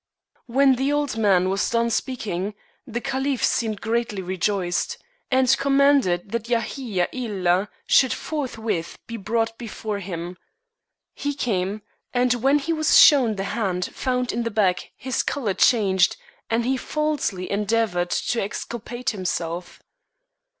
When the old man was done speaking, the caliph seemed greatly rejoiced, and commanded that Yahiya Ilha should forthwith be brought before him. He came, and when he was shown the hand fotmd in the bag his color changed, and he falsely endeavored to exculpate himself.